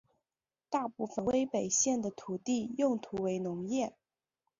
大部分威北县的土地用途为农业。